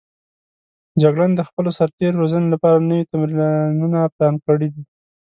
جګړن د خپلو سرتېرو روزنې لپاره نوي تمرینونه پلان کړي دي.